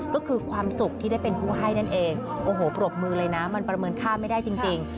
ก็คือความสุขที่ได้เป็นผู้ให้นั่นเองโอ้โหปรบมือเลยนะมันประเมินค่าไม่ได้จริง